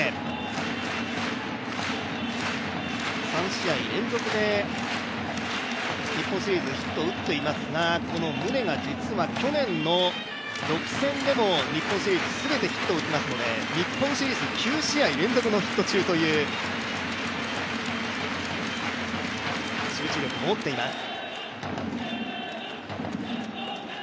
３試合連続で日本シリーズヒットを打っていますがこの宗が実は去年の６戦でも日本シリーズ全てヒットを打っていますので日本シリーズ、９試合連続ヒット中という集中力も持っています。